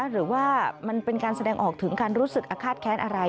หรือว่ามันเป็นการแสดงออกถึงการรู้สึกอาฆาตแค้นอะไร